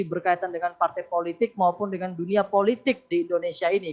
berkaitan dengan partai politik maupun dengan dunia politik di indonesia ini